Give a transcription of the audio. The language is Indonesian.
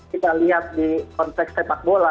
kita lihat di konteks sepak bola